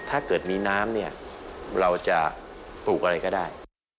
ถ้าเกิดมีน้ำเนี่ยเราจะปลูกอะไรก็ได้